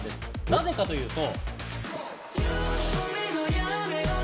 なぜかというと。